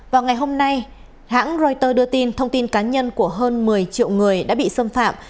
vào ngày hôm nay hãng reuters đưa tin thông tin cá nhân của hơn một mươi triệu người đã bị xâm phạm